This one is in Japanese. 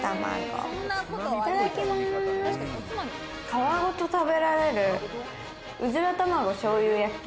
殻ごと食べられるうずら卵醤油焼き。